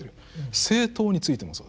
政党についてもそうです。